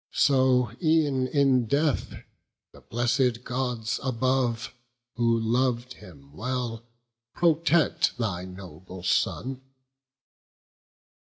So, e'en in death, the blessed Gods above, Who lov'd him well, protect thy noble son."